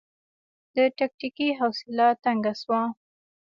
د ټيټکي حوصله تنګه شوه.